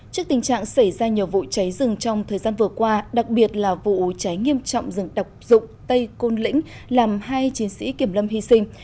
trước tình trạng xảy ra nhiều vụ cháy rừng trong thời gian vừa qua đặc biệt là vụ cháy nghiêm trọng rừng độc dụng tây côn lĩnh làm hai chiến sĩ kiểm lâm hy sinh